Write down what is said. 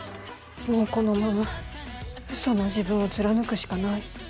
もうこのまま嘘の自分を貫くしかない。